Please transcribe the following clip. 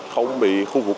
không bị khu vực